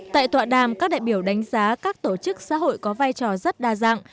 tại tọa đàm các đại biểu đánh giá các tổ chức xã hội có vai trò rất đa dạng